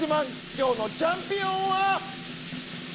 今日のチャンピオンは。